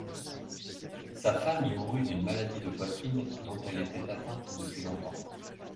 Sa femme y mourut d'une maladie de poitrine dont elle était atteinte depuis longtemps